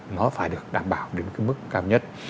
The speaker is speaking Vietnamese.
nó phải được đảm bảo đến cái mức cao nhất